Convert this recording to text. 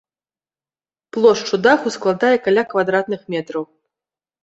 Плошчу даху складае каля квадратных метраў.